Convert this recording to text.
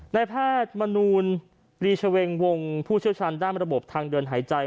นายแพทย์มนูลลีชเวงวงผู้เชี่ยวชาญด้านระบบทางเดินหายใจ